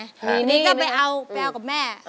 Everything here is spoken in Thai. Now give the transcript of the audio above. อันนี้ก็ไปเอากับแม่